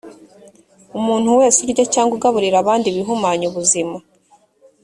umuntu wese urya cyangwa ugaburira abandi ibihumanya ubuzima